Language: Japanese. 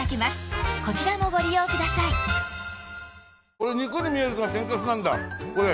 これ肉に見えるけど天かすなんだこれ。